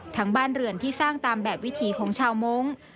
บ้านเรือนที่สร้างตามแบบวิถีของชาวมงค์